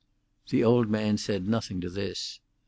The old man said nothing to this.